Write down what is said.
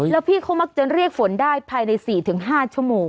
แล้วพี่เขามักจะเรียกฝนได้ภายใน๔๕ชั่วโมง